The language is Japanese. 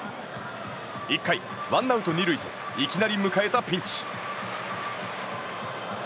１回、ワンアウト２塁といきなり迎えたピンチ。